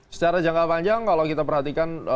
secara jangka panjang kalau kita perhatikan